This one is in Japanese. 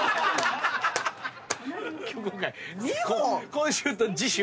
今週と次週。